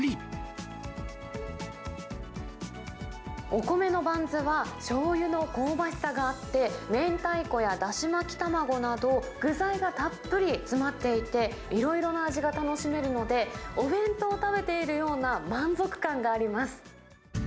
お米のバンズは、しょうゆの香ばしさがあって、明太子やだし巻き卵など具材がたっぷり詰まっていて、いろいろな味が楽しめるので、お弁当を食べているような満足感があります。